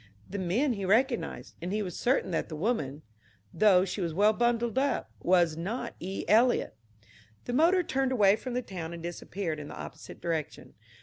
The men he recognized, and he was certain that the woman, though she was well bundled up, was not E. Eliot. The motor turned away from the town and disappeared in the opposite direction.